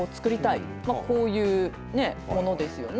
まあこういうものですよね。